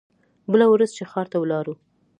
بله ورځ چې ښار ته لاړو.